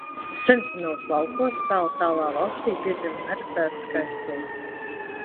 Sensenos laukos tāltālā valstī piedzima neredzēta skaistule.